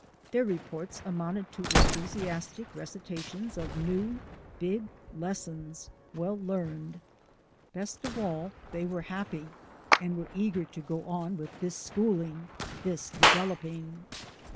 Their reports amounted to enthusiastic recitations of new, big lessons well learned. Best of all, they were happy, and were eager to go on with this schooling — this developing.